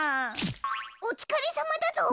おつかれさまだぞ。